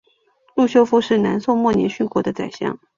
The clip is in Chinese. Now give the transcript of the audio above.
陆秀夫是南宋末年殉国的宰相。